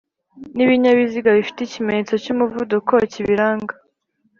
nibinyabiziga bifite ikimenyetso cy’umuvuduko kibiranga